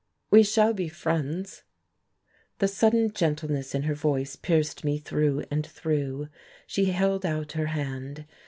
We shall be friends." The sudden gentleness in her voice pierced me through and through. She held out her hand.